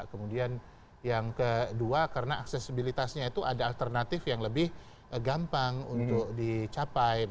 kemudian yang kedua karena aksesibilitasnya itu ada alternatif yang lebih gampang untuk dicapai